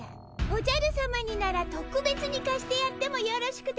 おじゃるさまにならとくべつにかしてやってもよろしくてござりまする。